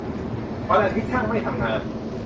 วันอาทิตย์ช่างไม่ทำงาน